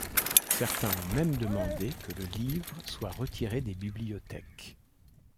Certains ont même demandé que le livre soit retiré des bibliothèques.